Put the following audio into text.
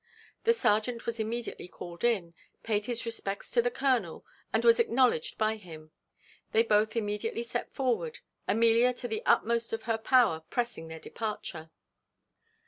The serjeant was immediately called in, paid his respects to the colonel, and was acknowledged by him. They both immediately set forward, Amelia to the utmost of her power pressing their departure.